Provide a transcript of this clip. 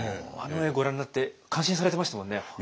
あの絵ご覧になって感心されてましたもんね。